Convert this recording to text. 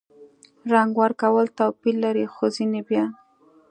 رنګ ورکول توپیر لري – خو ځینې بیا